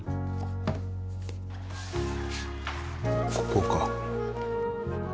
ここか。